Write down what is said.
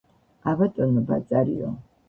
ა, ბატონო ბაწარიო